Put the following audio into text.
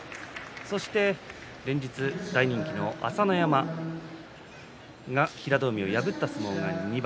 そして連日、大人気の朝乃山が平戸海を破った相撲が２番。